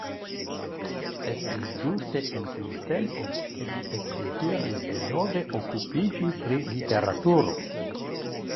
Estis ĝuste en tiu tempo, ke mi ekdeziris denove okupiĝi pri literaturo.